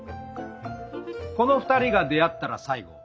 この２人が出会ったら最後！